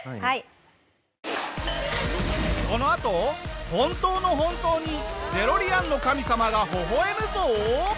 このあと本当の本当にデロリアンの神様がほほ笑むぞ！